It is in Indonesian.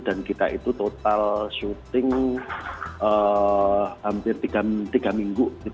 dan kita itu total syuting hampir tiga minggu